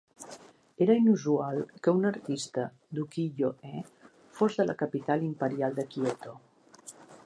Era inusual que un artista d'ukiyo-e fos de la capital imperial de Kyoto.